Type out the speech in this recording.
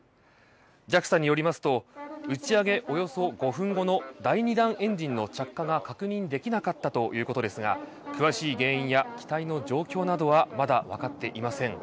ＪＡＸＡによりますと打ち上げおよそ５分後の第２段エンジンの着火が確認できなかったということですが詳しい原因や機体の状況などはまだわかっていません。